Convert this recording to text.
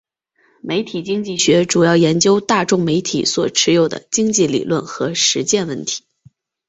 媒体经济学主要研究大众媒体所特有的经济理论和实践问题。